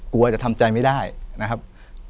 กลัวจะทำใจไม่ได้นะครับ